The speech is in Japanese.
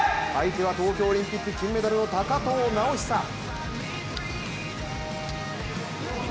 相手は東京オリンピック金メダルの高藤直寿。